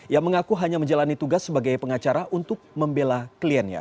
ia mengaku hanya menjalani tugas sebagai pengacara untuk membela kliennya